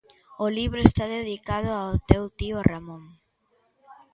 O libro está dedicado ao teu tío Ramón.